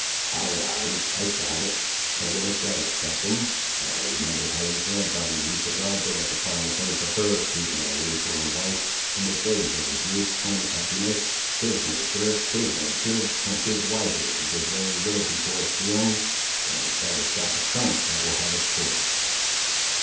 "Ay, ay, I thought it; and would have said it, captain; but I remembered how your grand'ther used to love to look upon the face of her he led away for a wife, in the days of his youth and his happiness. 'Tis natur', 'tis natur', and 'tis wiser to give way a little before its feelings, than to try to stop a current that will have its course."